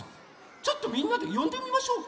ちょっとみんなでよんでみましょうか。